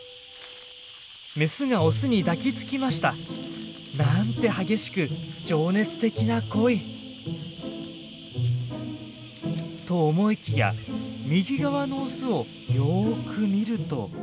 メスがオスに抱きつきました！なんて激しく情熱的な恋！と思いきや右側のオスをよく見ると。